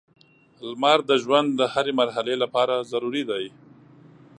• لمر د ژوند د هرې مرحلې لپاره ضروري دی.